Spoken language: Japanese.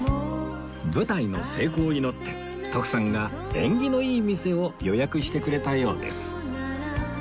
舞台の成功を祈って徳さんが縁起のいい店を予約してくれたようです